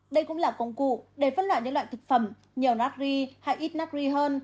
đây cũng là công cụ để phân loại những loại thực phẩm nhiều nắc ri hay ít nắc ri hơn